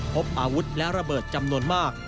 พบอาวุธและระเบิดจำนวนมาก